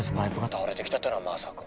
倒れてきたってのはまさか。